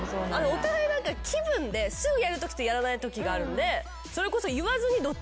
お互い気分ですぐやるときとやらないときがあるんでそれこそ。